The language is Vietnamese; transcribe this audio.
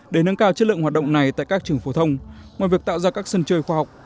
để nâng cao chất lượng hoạt động này tại các trường phổ thông ngoài việc tạo ra các sân chơi khoa học